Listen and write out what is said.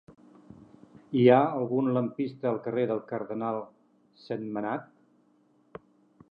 Hi ha algun lampista al carrer del Cardenal Sentmenat?